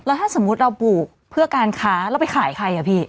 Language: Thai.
ถ้าสมมุติเราปลูกเพื่อการค้าแล้วไปขายใครอะพี่